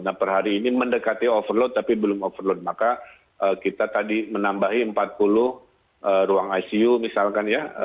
nah per hari ini mendekati overload tapi belum overload maka kita tadi menambahi empat puluh ruang icu misalkan ya